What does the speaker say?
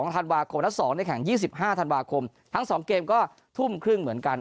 ธันวาคมและ๒ในแข่ง๒๕ธันวาคมทั้ง๒เกมก็ทุ่มครึ่งเหมือนกัน